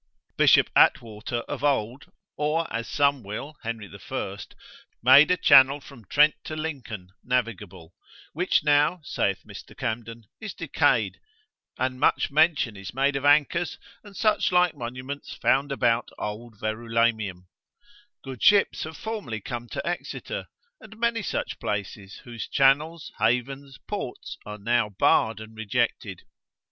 B. Atwater of old, or as some will Henry I. made a channel from Trent to Lincoln, navigable; which now, saith Mr. Camden, is decayed, and much mention is made of anchors, and such like monuments found about old Verulamium, good ships have formerly come to Exeter, and many such places, whose channels, havens, ports are now barred and rejected.